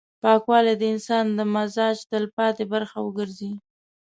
پاکوالی د انسان د مزاج تلپاتې برخه وګرځي.